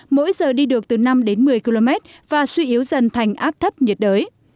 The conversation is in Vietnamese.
mỗi giờ đi được từ năm một mươi km và sự yếu dần thành áp thấp nhiệt đới